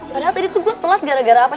padahal tadi tuh gue telat gara gara apa